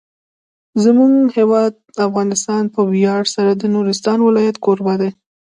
زموږ هیواد افغانستان په ویاړ سره د نورستان ولایت کوربه دی.